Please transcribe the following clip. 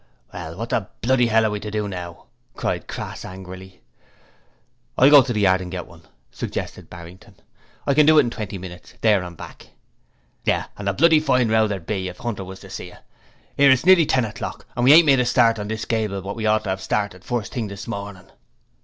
'Well, what the bloody hell are we to do now?' cried Crass, angrily. 'I'll go to the yard and get one,' suggested Barrington. 'I can do it in twenty minutes there and back.' 'Yes! and a bloody fine row there'd be if Hunter was to see you! 'Ere it's nearly ten o'clock and we ain't made a start on this gable wot we ought to 'ave started first thing this morning.'